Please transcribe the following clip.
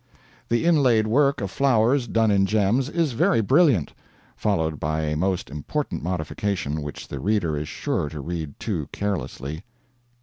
The inlaid work of flowers done in gems is very brilliant (followed by a most important modification which the reader is sure to read too carelessly) 2.